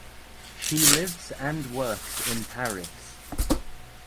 She lives and works in Paris.